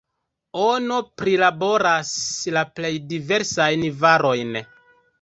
Ono prilaboras la plej diversajn varojn.